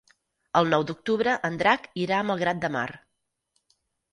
El nou d'octubre en Drac irà a Malgrat de Mar.